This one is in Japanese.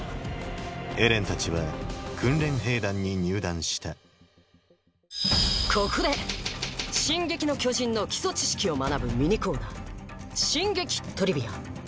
エレンたちは訓練兵団に入団したここで「進撃の巨人」の基礎知識を学ぶミニコーナー「進撃トリビア」！